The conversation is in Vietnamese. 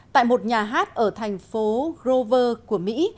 tại một nhà hát ở thành phố grover của mỹ